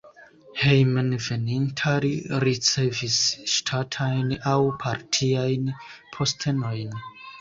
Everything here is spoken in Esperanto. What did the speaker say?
Hejmenveninta li ricevis ŝtatajn aŭ partiajn postenojn.